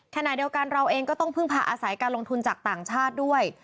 ขณะเดียวกันเราเองก็ต้องพึ่งพาอาศัยการลงทุนจากต่างชาติด้วย